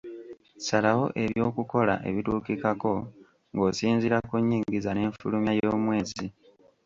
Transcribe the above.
Salawo ebyokukola ebituukikako ng’osinziira ku nnyingiza n’enfulumya y’omwezi.